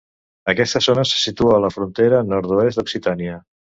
Aquesta zona se situa a la frontera nord-oest d'Occitània.